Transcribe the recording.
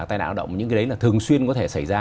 tai nạn lao động những cái đấy là thường xuyên có thể xảy ra